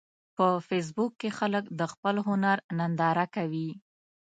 په فېسبوک کې خلک د خپل هنر ننداره کوي